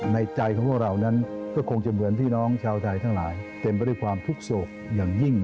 ในใจของพวกเรานั้นก็คงจะเหมือนพี่น้องชาวไทยทั้งหลายเต็มไปด้วยความทุกข์โศกอย่างยิ่ง